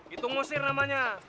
itu ngu sir namanya